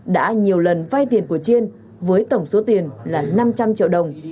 đã nhiều lần vay tiền của chiên với tổng số tiền là năm trăm linh triệu đồng